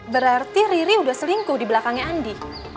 berarti riri udah selingkuh di belakangnya andi